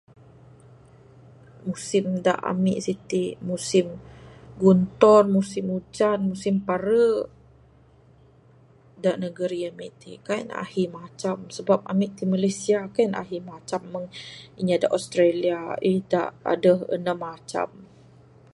Musim da ami siti musim guntur, musim ujan, musim pare. Da negeri ami ti kaii ne ahi macam sabab ami ti Malaysia kaii ne ahi macam meng inya da Australia aih da adeh unum macam.